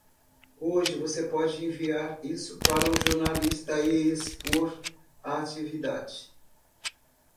Hoje você pode enviar isso para um jornalista e expor a atividade.